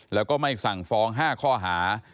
แล้วก็ไม่สั่งฟ้อง๕ข้อหา